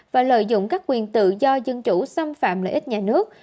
và lợi dụng các quyền tự do dân chủ xâm phạm lợi ích nhà nước